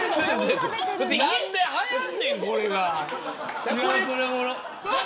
何で、はやんねんこれが。